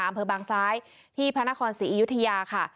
อำเภอบางซ้ายที่พระนครศรีอยุธยาค่ะ